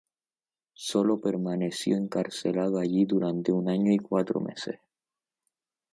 Sólo permaneció encarcelado allí durante un año y cuatro meses.